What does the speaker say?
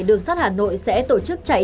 đường sắt hà nội sẽ tổ chức chạy